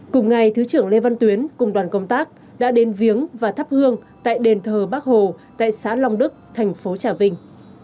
cùng ngày thứ trưởng lê văn tuyến cùng đoàn công tác đã đến viếng và thắp hương tại đền thờ bắc hồ tại xã long đức thành phố trà vinh